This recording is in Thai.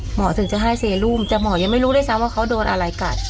ถึงจะให้เซรุมแต่หมอยังไม่รู้ด้วยซ้ำว่าเขาโดนอะไรกัด